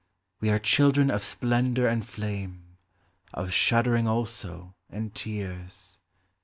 We are children of splendour and flame, Of shuddering, also, and tears.